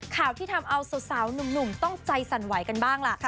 ข่าวที่ทำเอาสาวหนุ่มต้องใจสั่นไหวกันบ้างล่ะ